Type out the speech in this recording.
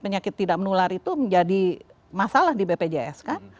penyakit tidak menular itu menjadi masalah di bpjs kan